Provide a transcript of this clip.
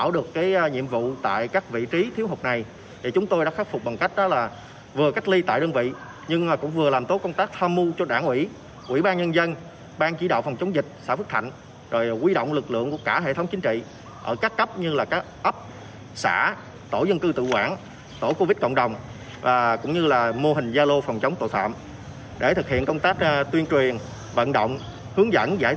để thực hiện công tác tuyên truyền vận động hướng dẫn giải thích giải đáp các thắc mắc cho nhân dân